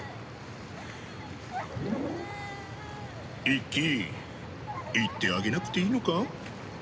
一輝行ってあげなくていいのか？